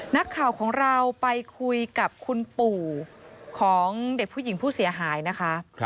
นักข่าวของเราไปคุยกับคุณปู่ของเด็กผู้หญิงผู้เสียหายนะคะ